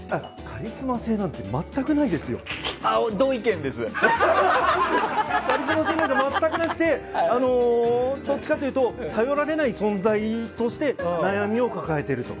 カリスマ性なんて全くなくてどちらかというと頼られない存在として悩みを抱えていると。